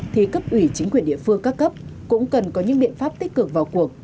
thì cấp ủy chính quyền địa phương các cấp cũng cần có những biện pháp tích cực vào cuộc